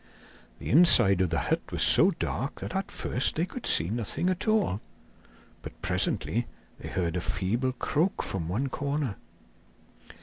The inside of the hut was so dark that at first they could see nothing at all; but presently they heard a feeble croak from one corner.